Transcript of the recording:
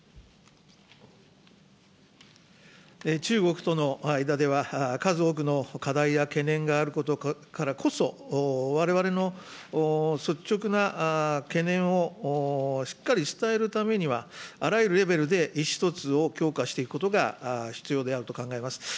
中国との間では、数多くの課題や懸念があるからこそ、われわれの率直な懸念をしっかり伝えるためには、あらゆるレベルで意思疎通を強化していくことが必要であると考えます。